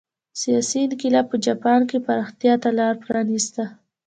سیاسي انقلاب په جاپان کې پراختیا ته لار پرانېسته.